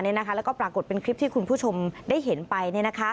แล้วก็ปรากฏเป็นคลิปที่คุณผู้ชมได้เห็นไป